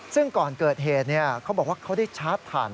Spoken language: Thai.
ซึ่งก่อนเกิดเหตุเขาบอกว่าเขาได้ชาร์จผ่าน